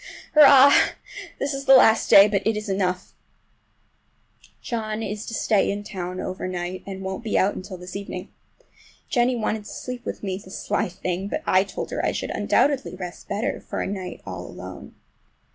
Hurrah! This is the last day, but it is enough. John is to stay in town over night, and won't be out until this evening. Jennie wanted to sleep with me—the sly thing! but I told her I should undoubtedly rest better for a night all alone.